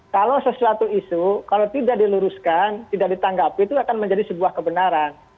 kalau sesuatu isu kalau tidak diluruskan tidak ditanggapi itu akan menjadi sebuah kebenaran